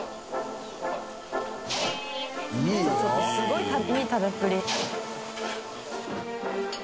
いい茵すごいいい食べっぷり。